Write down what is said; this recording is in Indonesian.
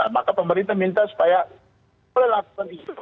maka pemerintah minta supaya boleh lakukan itu